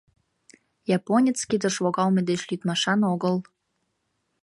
Японец кидыш логалме деч лӱдмашан огыл».